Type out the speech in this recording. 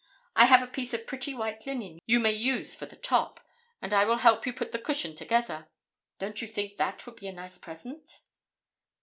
I have a piece of pretty white linen you may use for the top, and I will help you put the cushion together. Don't you think that would be a nice present?"